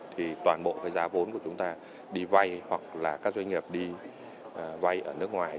thì toàn bộ cái giá vốn của chúng ta đi vay hoặc là các doanh nghiệp đi vay ở nước ngoài